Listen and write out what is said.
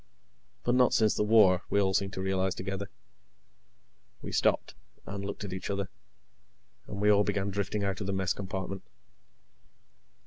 But not since the war, we all seemed to realize together. We stopped, and looked at each other, and we all began drifting out of the mess compartment.